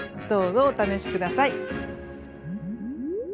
どうぞお試し下さい！